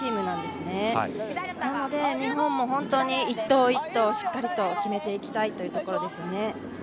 なので、日本も本当に一投一投しっかりと決めていきたいというところですね。